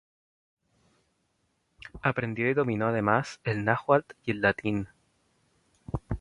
Aprendió y dominó además, el náhuatl y el latín.